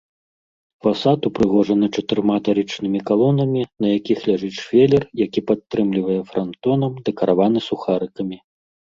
Фасад упрыгожаны чатырма дарычнымі калонамі, на якіх ляжыць швелер, які падтрымлівае франтонам, дэкараваны сухарыкамі.